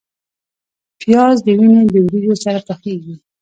پیاز د وینې د وریجو سره پخیږي